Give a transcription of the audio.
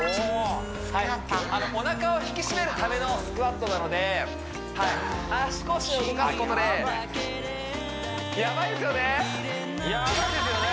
おなかを引き締めるためのスクワットなので足腰を動かすことであっやばいやばいですよね